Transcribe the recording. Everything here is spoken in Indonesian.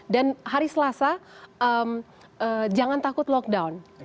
dan hari selasa jangan takut lockdown